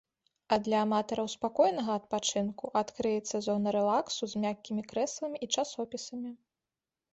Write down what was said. А для аматараў спакойнага адпачынку адкрыецца зона рэлаксу з мяккімі крэсламі і часопісамі.